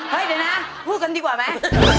เฮ้ยเดี๋ยวนะพูดกันดีกว่าไหม